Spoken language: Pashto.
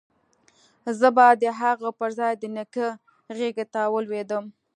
زه به د هغه پر ځاى د نيکه غېږې ته ولوېدم.